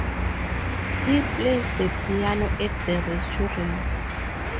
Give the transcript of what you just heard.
He plays the piano at the restaurant.